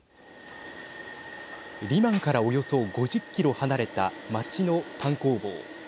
リマンから、およそ５０キロ離れた街のパン工房。